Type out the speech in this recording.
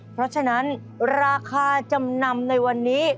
เพราะฉะนั้นราคาจำนำในวันนี้